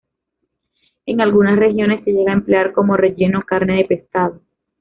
En algunas regiones se llega a emplear como relleno carne de pescado.